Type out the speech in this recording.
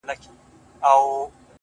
تا چي نن په مينه راته وكتل _